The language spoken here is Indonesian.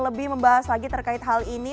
lebih membahas lagi terkait hal ini